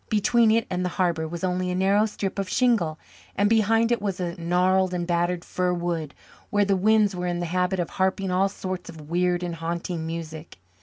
Between it and the harbour was only a narrow strip of shingle, and behind it was a gnarled and battered fir wood where the winds were in the habit of harping all sorts of weird and haunting music.